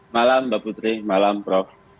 malam mbak putri malam prof